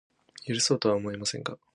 許そうとは思いませんか